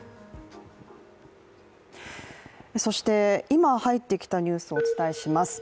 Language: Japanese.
そして今入ってきたニュースをお伝えします。